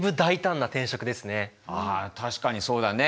あ確かにそうだね。